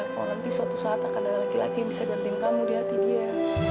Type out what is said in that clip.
kalau nanti suatu saat akan ada laki laki yang bisa gantiin kamu di hati dia